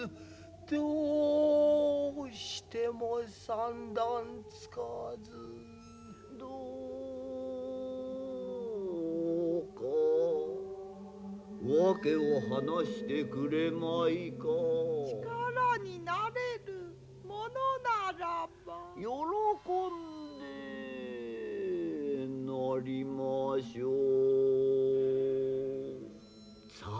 どうしても算段つかずどうか訳を話してくれないか力になれるものならばよろこんでなりましょうさあ。